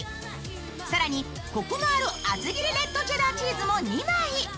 更に、こくのある厚切りレッドチェダーチースも２枚。